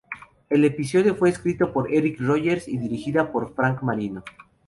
El episodio fue escrito por Eric Rogers, y dirigida por Frank Marino.